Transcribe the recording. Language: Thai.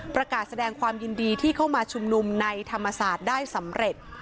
แสดงความยินดีที่เข้ามาชุมนุมในธรรมศาสตร์ได้สำเร็จ